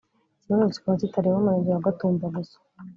Iki kibazo kikaba kitareba Umurenge wa Gatumba gusa